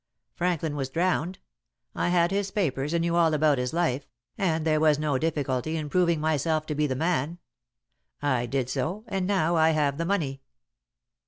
Franklin was drowned; I had his papers, and knew all about his life, and there was no difficulty in my proving myself to be the man. I did so, and now have the money."